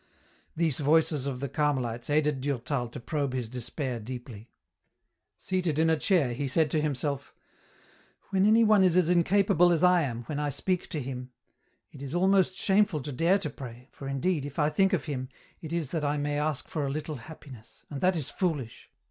These voices of the Carmelites aided Durtal to probe his despair deeply. Seated in a chair, he said to himself :" When any one is as incapable as I am when I speak to Him, it is almost shameful to dare to pray, for indeed, if I think of Him, it is that I may ask for a little happiness ; and that is foolish.